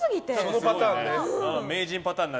そのパターンね。